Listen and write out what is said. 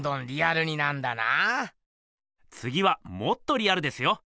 つぎはもっとリアルですよ。